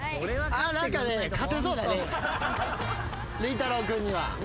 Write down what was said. りんたろう君には。